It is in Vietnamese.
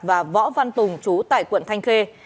và võ văn tùng chú tại quận thanh khiên